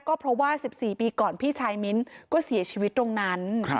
ก็เพราะว่า๑๔ปีก่อนพี่ชายมิ้นก็เสียชีวิตตรงนั้น